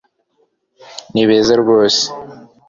Ni beza rwose